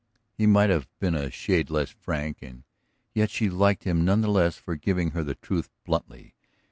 He might have been a shade less frank; and yet she liked him none the less for giving her the truth bluntly.